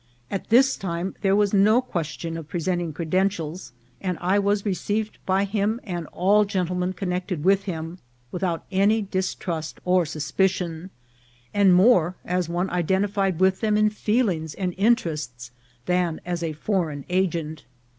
At this time there was no question of presenting creden tials, and I was received by him and all gentlemen connected with him without any distrust or suspicion, and more as one identified with them in feelings and in terests than as a foreign agent.